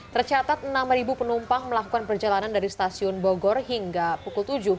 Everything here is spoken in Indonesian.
tercatat enam penumpang melakukan perjalanan dari stasiun bogor hingga pukul tujuh